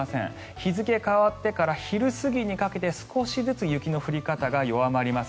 日付が変わってから昼過ぎにかけて少しずつ雪の降り方が弱まります。